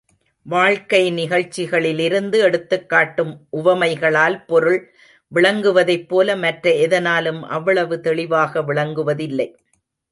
வாழ்க்கை நிகழ்ச்சிகளிலிருந்து எடுத்துக் காட்டும் உவமைகளால் பொருள் விளங்குவதைப் போல, மற்ற எதனாலும் அவ்வளவு தெளிவாக விளங்குவதிலை.